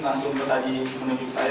langsung bersaji menunjuk saya